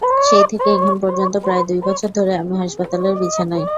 সেই থেকে এখন পর্যন্ত প্রায় দুই বছর ধরে আমি হাসপাতালের বিছানায়।